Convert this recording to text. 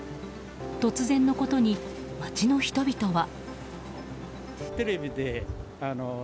突然のことに街の人々は。